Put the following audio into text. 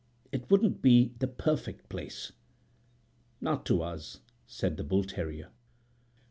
It wouldn't be the perfect place." "Not to us," said the bull terrier.